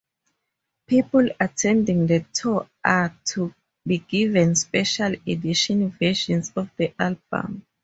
People attending the tour are to be given special edition versions of the album.